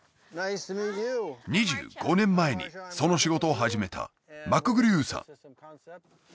２５年前にその仕事を始めたマクグリュウさん